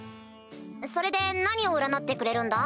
それで何を占ってくれるんだ？